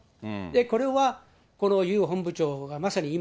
これはこのユ本部長がまさに今、